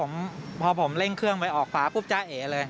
อันนี้พอผมพอผมเร่งเครื่องไปออกฝาทร์ปุ๊บจ้าเอ๋เลย